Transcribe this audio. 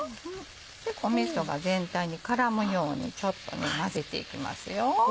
みそが全体に絡むようにちょっと混ぜていきます。